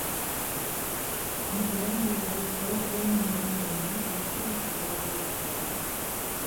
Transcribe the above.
Мікеланджэла адлюстраваў п'янага бога віна, якога суправаджае сатыр.